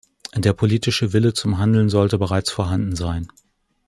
Der politische Wille zum Handeln sollte bereits vorhanden sein.